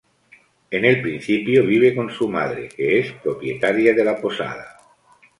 En el principio, vive con su madre, que es propietaria de la posada.